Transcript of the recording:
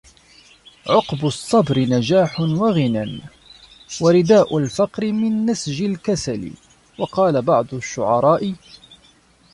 عُقْبُ الصَّبْرِ نَجَاحٌ وَغِنًى وَرِدَاءُ الْفَقْرِ مِنْ نَسْجِ الْكَسَلِ وَقَالَ بَعْضُ الشُّعَرَاءِ